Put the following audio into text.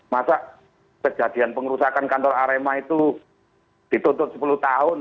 masa kejadian pengerusakan kantor arema itu dituntut sepuluh tahun